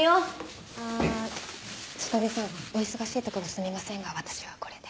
千景さんお忙しいところすみませんが私はこれで。